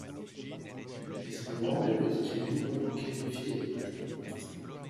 Mais souvent, les petits calibres manquaient de fiabilité.